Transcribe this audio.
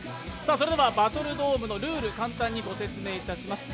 それではバトルドームのルール、簡単にご説明します。